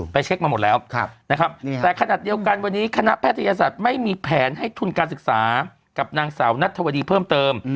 เช็คมาหมดแล้วนะครับแต่ขนาดเดียวกันวันนี้คณะแพทยศาสตร์ไม่มีแผนให้ทุนการศึกษากับนางสาวนัทธวดีเพิ่มเติม